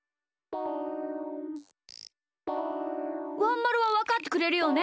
ワンまるはわかってくれるよね？